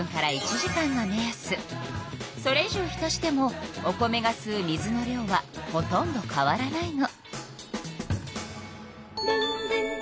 それ以上浸してもお米がすう水の量はほとんど変わらないの。